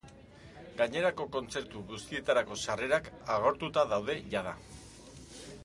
Gainerako kontzertu guztietarako sarrerak agortuta daude jada.